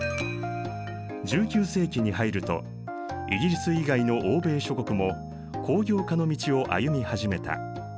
１９世紀に入るとイギリス以外の欧米諸国も工業化の道を歩み始めた。